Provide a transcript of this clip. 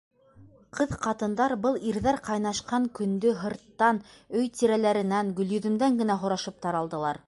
Ҡыҙ-ҡатындар был ирҙәр ҡайнашҡан көндө һырттан, өй тирәләренән, Гөлйөҙөмдән генә һорашып таралдылар.